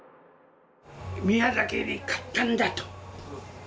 宮崎に勝ったんだ！と。